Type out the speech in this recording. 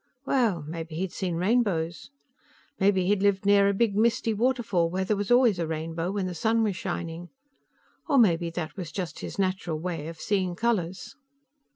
Well, maybe he'd seen rainbows. Maybe he'd lived near a big misty waterfall, where there was always a rainbow when the sun was shining. Or maybe that was just his natural way of seeing colors.